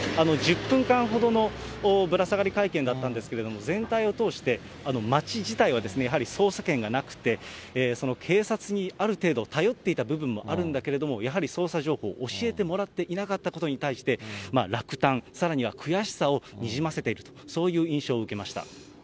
１０分間ほどのぶら下がり会見だったんですけれども、全体を通して、町自体はやはり捜査権がなくて、その警察にある程度、頼っていた部分もあるんだけれども、やはり捜査情報を教えてもらっていなかったことに対して、落胆、さらには悔しさをにじませている、そういう印象を受けました。